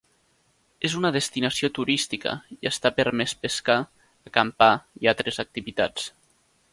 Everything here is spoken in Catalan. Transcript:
És una destinació turística, i està permès pescar, acampar i altres activitats.